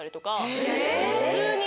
普通に。